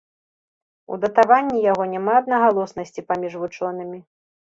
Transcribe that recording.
У датаванні яго няма аднагалоснасці паміж вучонымі.